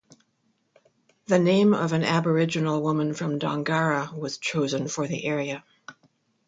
The name of an Aboriginal woman from Dongara was chosen for the area.